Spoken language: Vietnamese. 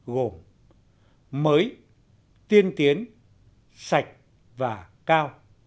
gồm mới tiên tiến sạch và cao